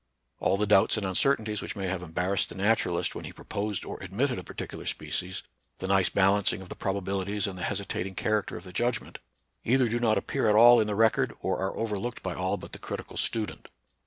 All the doubts and uncertainties which may have embarrassed the naturalist when he proposed or admitted a particular species, the nice balancing of the pro babilities and the hesitating character of the judgment, either do not appear at all in the record or are overlooked by all but the critical student.